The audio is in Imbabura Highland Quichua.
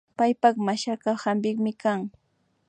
Paypak mashaka hampikmi kan